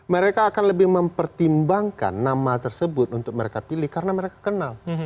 mereka akan lebih mempertimbangkan nama tersebut untuk mereka pilih karena mereka kenal